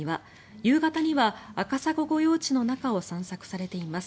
夕方には赤坂御用地の中を散策されています。